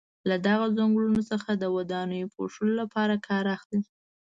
له دغو څنګلونو څخه د ودانیو پوښلو لپاره کار اخلي.